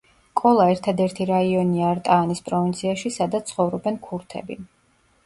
კოლა ერთადერთი რაიონია არტაანის პროვინციაში, სადაც ცხოვრობენ ქურთები.